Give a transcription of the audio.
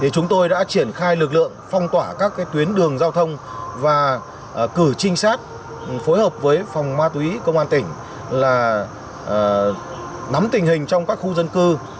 chúng tôi đã triển khai lực lượng phong tỏa các tuyến đường giao thông và cử trinh sát phối hợp với phòng ma túy công an tỉnh nắm tình hình trong các khu dân cư